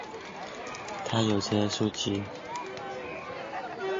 他着有有关蒙古人民共和国农业社会主义改造的书籍。